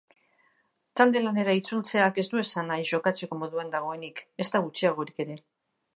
Talde-lanera itzultzeak ez du esan nahi jokatzeko moduan dagoenik, ezta gutxiagorik ere.